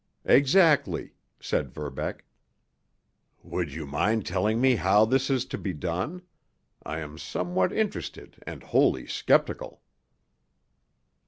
"Exactly," said Verbeck. "Would you mind telling me how this is to be done? I am somewhat interested and wholly skeptical."